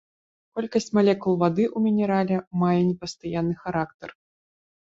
Колькасць малекул вады ў мінерале мае непастаянны характар.